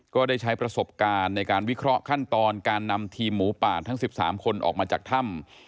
ก็ได้ใช้ประสบการณ์ในการวิเคราะห์ขั้นตอนการนำทีมหมูป่าทั้ง๑๓คนออกมาจากถ้ำ